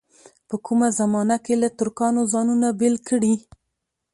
په کومه زمانه کې له ترکانو ځانونه بېل کړي.